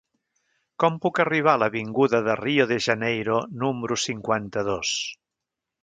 Com puc arribar a l'avinguda de Rio de Janeiro número cinquanta-dos?